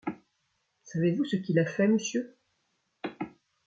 Savez-vous ce qu’il a fait, monsieur ?